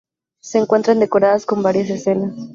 Se encuentran decoradas con varias escenas.